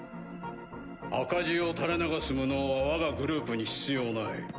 赤字を垂れ流す無能は我がグループに必要ない。